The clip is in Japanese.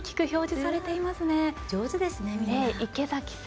上手ですね。